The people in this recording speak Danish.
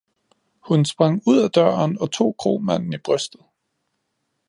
Hun sprang ud af døren og tog kromanden i brystet!